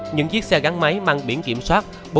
những chiếc xe gắn máy mang biển kiểm soát